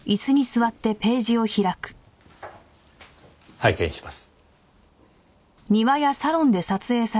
拝見します。